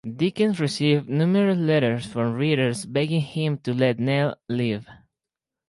Dickens received numerous letters from readers begging him to let Nell live.